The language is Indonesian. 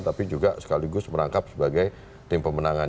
tapi juga sekaligus merangkap sebagai tim pemenangan